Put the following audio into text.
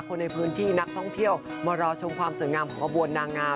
คนในพื้นที่นักท่องเที่ยวมารอชมความสวยงามของขบวนนางงาม